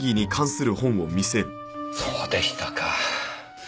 そうでしたか。